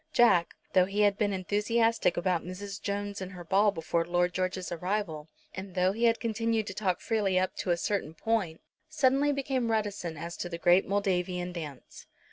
Jack, though he had been enthusiastic about Mrs. Jones and her ball before Lord George's arrival, and though he had continued to talk freely up to a certain point, suddenly became reticent as to the great Moldavian dance.